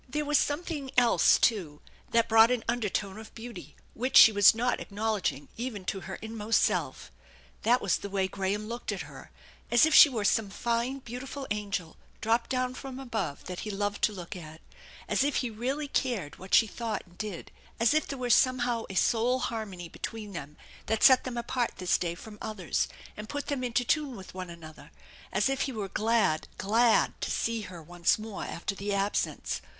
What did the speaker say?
There was something else too that brought an undertone of beauty, which she was not acknowledging even to her inmost self. That was the way Graham looked at her^ ac if she were some fine beautiful angel dropped down from above that he loved to look at; as if he really cared what she thought and did; as if there were somehow a soul harmony between them that set them apart this day from others, and put them into tune with one another; as if he were glad, rtad to see her once more after the absence